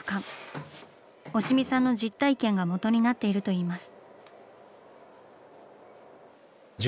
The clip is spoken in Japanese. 押見さんの実体験がもとになっているといいます。